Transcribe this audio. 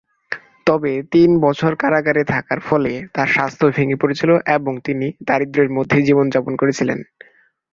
তবে তিন বছর কারাগারে থাকার ফলে তার স্বাস্থ্য ভেঙ্গে পড়েছিল এবং তিনি দারিদ্র্যের মধ্যে জীবনযাপন করছিলেন।